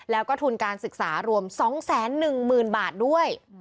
แล้วก็ทุนการศึกษารวม๒๑๐๐๐บาทด้วย